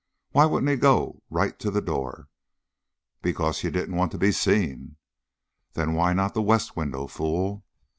Why wouldn't he go right to the door?" "Because you didn't want to be seen." "Then why not the west window, fool!"